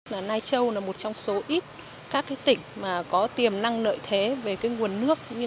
lifechâu là một trong số ít các tỉnh có tiềm năng nợi thế về nguồn nước